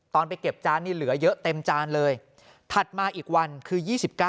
ไปเก็บจานนี่เหลือเยอะเต็มจานเลยถัดมาอีกวันคือ๒๙